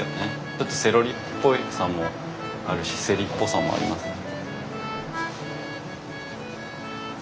ちょっとセロリっぽさもあるしセリっぽさもありますね。